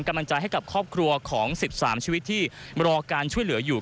กำลังใจให้กับครอบครัวของ๑๓ชีวิตที่รอการช่วยเหลืออยู่